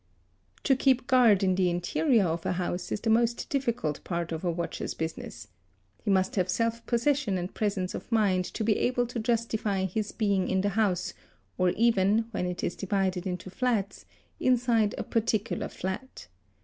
|. To keep guard in the interior of a house is the most difficult part of a watcher's business. He must have self possession and presence of mind to be able to justify his being in the house or even, when it is divided into flats, inside a particular flat.